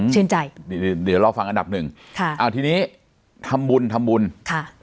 ชื่นใจนี่เดี๋ยวรอฟังอันดับหนึ่งค่ะอ่าทีนี้ทำบุญทำบุญค่ะ